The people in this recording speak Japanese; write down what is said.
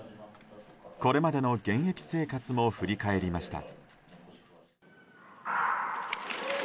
これまでの現役生活も振り返りました。